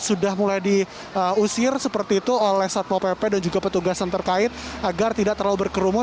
sudah mulai diusir seperti itu oleh satpo pp dan juga petugas yang terkait agar tidak terlalu berkerumun